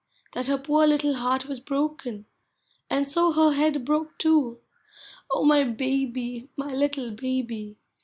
That her poor little heart was broken, and so her head broke too. Oh, my baby! my little baby!